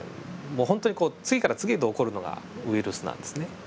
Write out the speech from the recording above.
もう本当にこう次から次へと起こるのがウイルスなんですね。